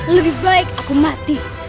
lebih baik aku mati